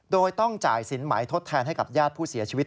โดยต้องจ่ายสินไหมทดแทนให้กับญาติผู้เสียชีวิต